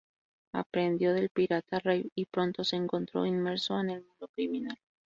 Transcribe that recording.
Aprendió del pirata Rav y pronto se encontró inmerso en el mundo criminal.